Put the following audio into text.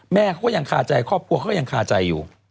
แม่เขาก็ยังคาใจครอบครัวเขาก็ยังคาใจอยู่